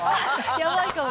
やばいかも。